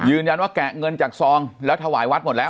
ยืนยันว่าแกะเงินจากซองแล้วถวายวัดหมดแล้ว